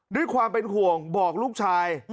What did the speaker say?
ด้วยความเป็นห่วงบอกลูกชาย